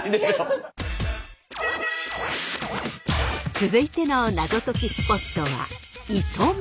続いてのナゾ解きスポットは糸満。